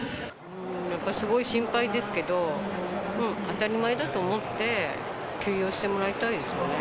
やっぱりすごく心配ですけど、当たり前だと思って休養してもらいたいですよね。